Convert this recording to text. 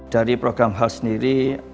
dari program hals sendiri